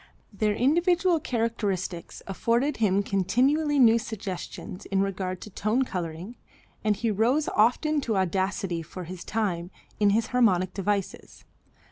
Their individual characteristics afforded him continually new suggestions in regard to tone coloring, and he rose often to audacity, for his time, in his harmonic devices.